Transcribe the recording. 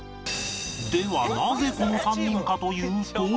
ではなぜこの３人かというと